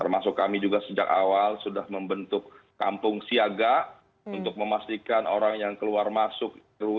termasuk kami juga sejak awal sudah membentuk kampung siaga untuk memastikan orang yang keluar masuk